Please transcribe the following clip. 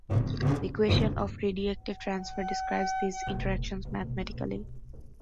The equation of radiative transfer describes these interactions mathematically.